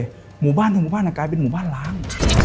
หมู่บ้านเป็นหมู่บ้านหมู่บ้านอ่ะกลายเป็นหมู่บ้านร้าง